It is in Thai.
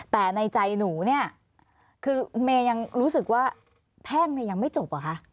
แต่ในใจหนูเนี่ยคือเมย์ยังรู้สึกว่าแพ่งเนี่ยยังไม่จบเหรอคะ